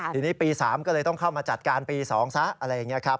ทีนี้ปี๓ก็เลยต้องเข้ามาจัดการปี๒ซะอะไรอย่างนี้ครับ